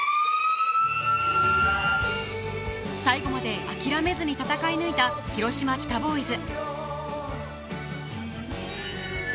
最後まで諦めずに戦い抜いた広島北ボーイズ